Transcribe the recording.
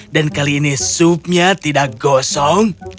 dan kali ini supnya tidak gosong